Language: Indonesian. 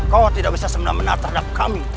kau tidak bisa semenang menang terhadap kami